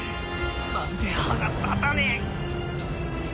まるで歯が立たねえ！